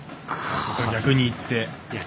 逆にいって。